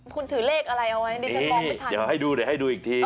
คุณถือเลขอะไรเอาไว้นี่ให้ดูเดี๋ยวให้ดูอีกที